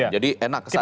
jadi enak kesana